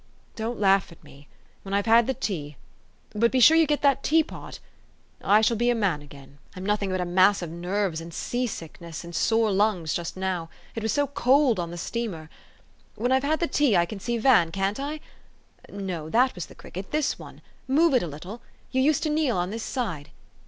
Don't laugh at me. When I've had the tea, but be sure you get that teapot, I shall be a man again. I'm nothing but a mass of nerves and seasickness, and sore lungs, just now it was so cold on the steamer ! When I've had the tea, I can see Van, can't I? No, that was the cricket, this one. Move it a little. You used to kneel on this side.